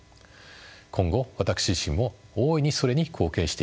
今後私自身も大いにそれに貢献していきたい